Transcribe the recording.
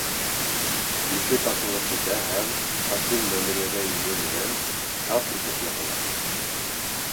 Ишек асылып китә һәм, Ҡасим мәмерйәгә инеү менән, шап итеп ябыла.